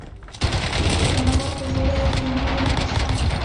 د کندهار په ژیړۍ کې د مالګې نښې شته.